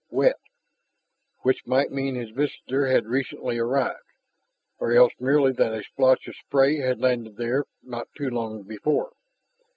Wet! Which might mean his visitor had recently arrived, or else merely that a splotch of spray had landed there not too long before.